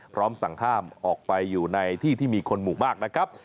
พร้อมสั่งห้ามออกไปอยู่ในที่ที่มีคนหมู่มากนะครับ